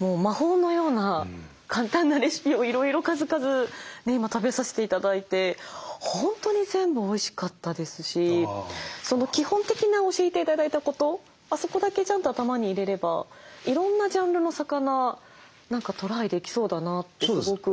魔法のような簡単なレシピをいろいろ数々食べさせて頂いて本当に全部おいしかったですし基本的な教えて頂いたことあそこだけちゃんと頭に入れればいろんなジャンルの魚何かトライできそうだなってすごく。